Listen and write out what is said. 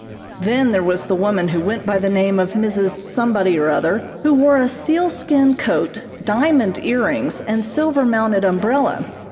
Then there was the woman who went by the name of Mrs. Somebody or other who wore a seal skin coat, diamond earrings and silver mounted umbrella.